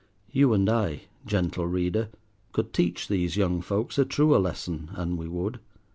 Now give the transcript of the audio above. You and I, gentle Reader, could teach these young folks a truer lesson, an we would.